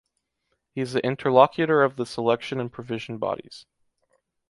He is the interlocutor of the selection and provision bodies.